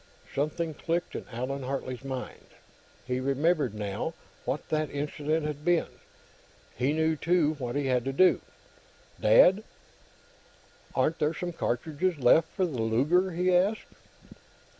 Something clicked in Allan Hartley's mind. He remembered, now, what that incident had been. He knew, too, what he had to do. "Dad, aren't there some cartridges left for the Luger?" he asked.